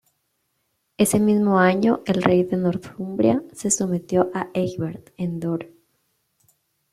Ese mismo año, el Rey de Northumbria se sometió a Egbert en Dore.